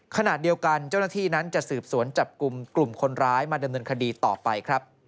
ขณะเดียวกันเจ้าหน้าที่นั้นจะสืบสวนจับกลุ่มกลุ่มคนร้ายมาดำเนินคดีต่อไปครับ